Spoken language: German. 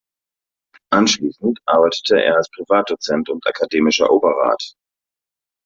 Anschließend arbeitete er als Privatdozent und Akademischer Oberrat.